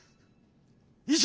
以上！